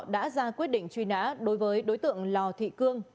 đã ra quyết định truy nã đối với đối tượng lò thị cương